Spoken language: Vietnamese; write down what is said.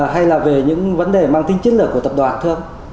hay là về những vấn đề mang tính chiến lược của tập đoàn thơm